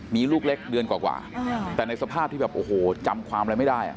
มีลูกเล็กเดือนกว่าแต่ในสภาพที่แบบโอ้โหจำความอะไรไม่ได้